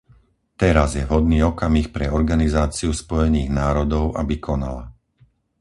Teraz je vhodný okamih pre Organizáciu Spojených národov, aby konala.